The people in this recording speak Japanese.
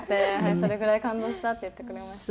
それぐらい感動したって言ってくれました。